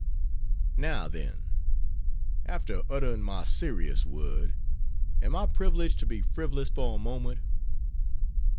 Now then, after uttering my serious word, am I privileged to be frivolous for a moment?